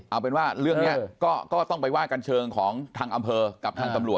เอาเป็นว่าเรื่องนี้ก็ต้องไปว่ากันเชิงของทางอำเภอกับทางตำรวจ